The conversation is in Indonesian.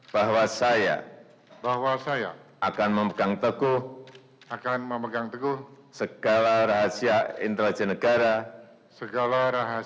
bahwa saya akan memegang teguh segala rahasia intelijen negara